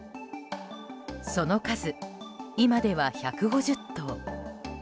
その数、今では１５０頭。